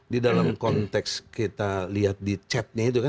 di dalam konteks kita lihat di chatnya